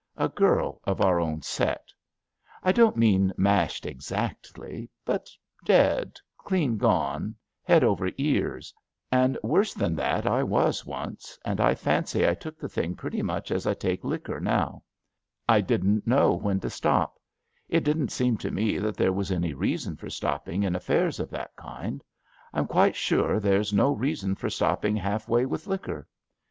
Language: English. A girl of our own set. I don't mean mashed exactly, but dead, clean gone, head over ears; and worse than that I was once, and I fancy I took the thing pretty much as I take liquor now. I didn't know when to stop. It didn't seem to me that there was any reason for stopping in affairs of that kind. I'm quite sure there's no reason for stopping half way with liquor.